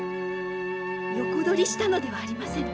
横取りしたのではありませぬ。